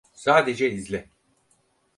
Sadece izle.